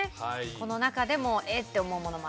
この中でも「えっ！」って思うものもあれば。